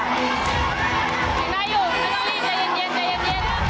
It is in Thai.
มีเวลาอยู่ไม่ต้องรีบ